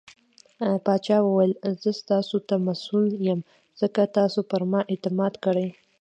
پاچا وويل :زه ستاسو ته مسوول يم ځکه تاسو پرما اعتماد کړٸ .